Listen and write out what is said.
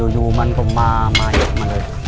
อยู่มันก็มาเยอะมาเลย